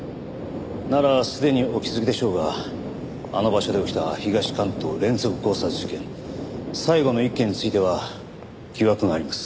ならすでにお気づきでしょうがあの場所で起きた東関東連続強殺事件最後の１件については疑惑があります。